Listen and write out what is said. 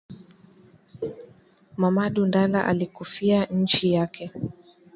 Mamadu Ndala alikufia inchi yake